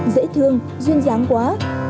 dễ thương duyên dáng quá